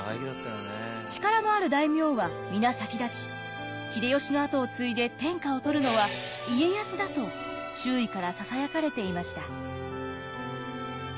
力のある大名は皆先立ち秀吉の跡を継いで天下を取るのは家康だと周囲からささやかれていました。